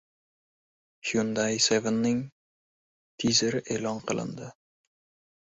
Hyundai Seven'ning tizeri e’lon qilindi